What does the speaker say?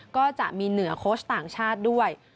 ก็จะมีเหนือโค้ชต่างชาติด้วย